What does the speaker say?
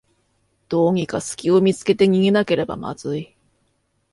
どうにかすきを見つけて逃げなければまずい